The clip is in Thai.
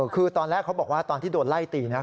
คือตอนแรกเขาบอกว่าตอนที่โดนไล่ตีนะ